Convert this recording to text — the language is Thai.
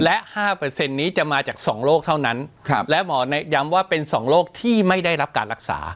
และห้าเปอร์เซ็นต์นี้จะมาจากสองโรคเท่านั้นครับและหมอในย้ำว่าเป็นสองโรคที่ไม่ได้รับการรักษา